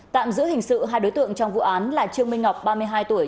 tạm giữ hình sự hai đối tượng trong vụ án là trương minh ngọc ba mươi hai tuổi